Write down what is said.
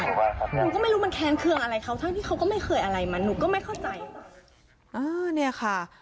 หนูก็ไม่รู้มันแค้นเคืองอะไรเขาที่เขาก็ไม่เคยอะไรมันหนูก็ไม่เข้าใจ